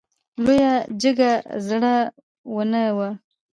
لویه جګه زړه ونه وه .